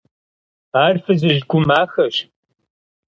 Ар фызыжь гу махэщ.